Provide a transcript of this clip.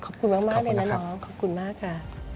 ขอบคุณมากเลยนะน้องขอบคุณมากค่ะ